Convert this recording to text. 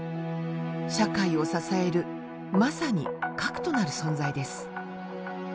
社会を支えるまさに核となる存在です。